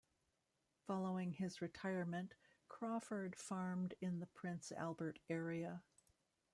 Following his retirement, Crawford farmed in the Prince Albert area.